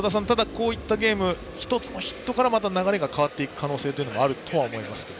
こういったゲーム１つのヒットからまた流れが変わっていく可能性があると思いますが。